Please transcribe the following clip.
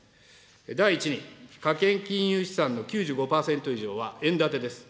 第１に、家計金融資産の９５％以上は円建てです。